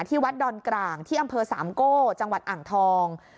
ที่วัดดอนกลางที่อำเภอสามโก้จังหวัดอ่างทอง